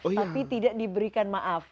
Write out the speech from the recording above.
tapi tidak diberikan maaf